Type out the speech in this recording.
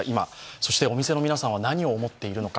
そしてお店の皆さんが何を思っているのか。